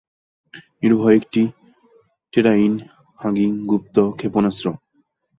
নির্ভয় একটি টেরাইন-হাগিং গুপ্ত ক্ষেপণাস্ত্র।